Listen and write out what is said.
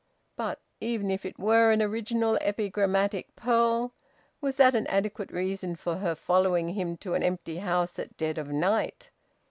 But even if it were an original epigrammatic pearl was that an adequate reason for her following him to an empty house at dead of night?